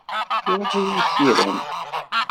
Iruḥ-iyi usirem.